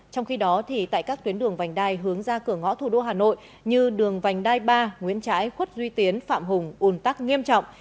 trong khi đó tại các tuyến đường vành đai hướng ra cửa ngõ thủ đô hà nội như đường vành đai ba nguyễn trãi khuất duy tiến phạm hùng un tắc nghiêm trọng